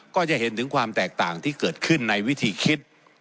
ก็จะเห็นถึงความแตกต่างที่เกิดขึ้นในวิธีคิด